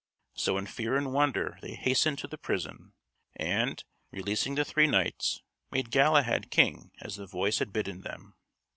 So in fear and wonder they hastened to the prison, and, releasing the three knights, made Galahad King as the voice had bidden them.